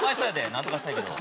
なんとかしたいけど。